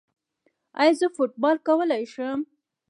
ایا زه فوټبال کولی شم؟